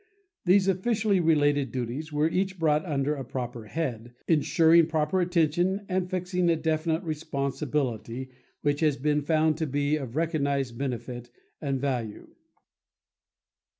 These officially related duties were each brought under a proper head, insuring prompt attention and fixing a definite responsibility which has been found to be of recognized benefit and value.